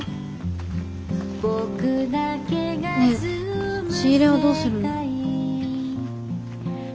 ねえ仕入れはどうするの？